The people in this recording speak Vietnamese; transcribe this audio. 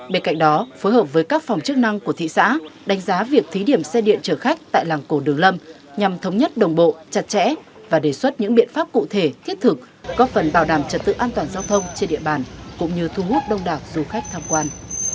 bên cạnh đó phối hợp với các phòng chức năng của thị xã đánh giá việc thí điểm xe điện chở khách tại làng cổ đường lâm nhằm thống nhất đồng bộ chặt chẽ và đề xuất những biện pháp cụ thể thiết thực góp phần bảo đảm trật tự an toàn giao thông trên địa bàn cũng như thu hút đông đảo du khách tham quan